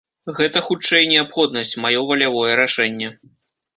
Гэта, хутчэй, неабходнасць, маё валявое рашэнне.